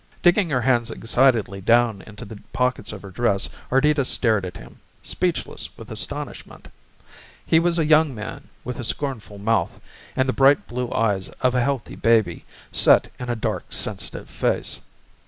Digging her hands excitedly down into the pockets of her dress Ardita stared at him, speechless with astonishment. He was a young man with a scornful mouth and the bright blue eyes of a healthy baby set in a dark sensitive face.